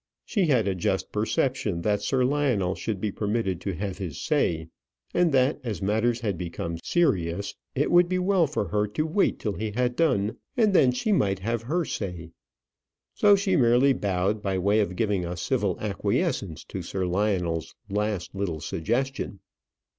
She had a just perception that Sir Lionel should be permitted to have his say, and that, as matters had become serious, it would be well for her to wait till he had done, and then she might have her say. So she merely bowed, by way of giving a civil acquiescence in Sir Lionel's last little suggestion.